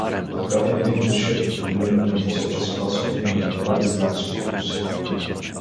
Тогава бинбашията погледна към Цоча Спасов и му направи знак с окото си.